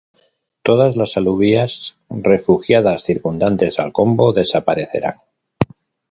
Todas las alubias refugiadas circundantes al combo, desaparecerán.